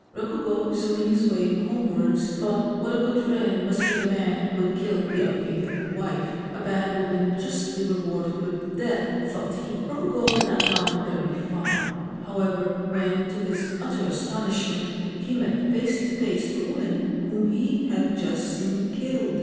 Rukugo, resuming his way homewards, thought what a good friend must be the man who had killed the unfaithful wife. A bad woman justly rewarded with death, thought he. Rokugo had not gone very far, however, when, to his utter astonishment, he met face to face the woman whom he had just seen killed.